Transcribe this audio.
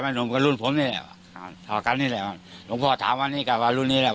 ไม่หนุ่มกับรุ่นผมนี่พากันนี่แหละหลุงพ่อถามว่านี่กลับมารุ่นนี้แหละ